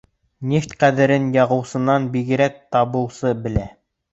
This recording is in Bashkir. Нефть ҡәҙерен яғыусынан бигерәк табыусы белә.